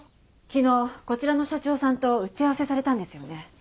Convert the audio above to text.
昨日こちらの社長さんと打ち合わせされたんですよね？